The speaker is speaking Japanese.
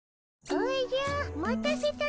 おじゃ待たせたの。